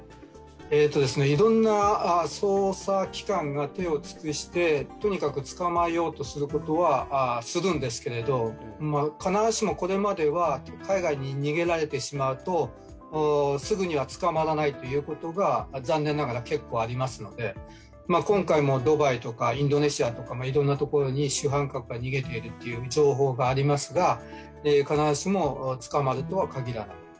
いろんな捜査機関が手を尽くして、とにかく捕まえようとすることはするんですが、必ずしもこれまでは海外に逃げられてしまうとすぐには捕まらないということが残念ながら結構ありますので、今回もドバイとかインドネシアとか、いろんな所に主犯格が逃げているという情報がありますが、必ずしも捕まるとは限らない。